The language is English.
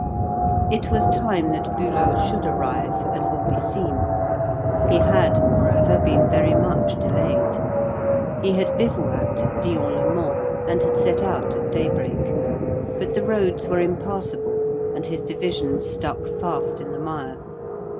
It was time that Bülow should arrive, as will be seen. He had, moreover, been very much delayed. He had bivouacked at Dion le Mont, and had set out at daybreak; but the roads were impassable, and his divisions stuck fast in the mire.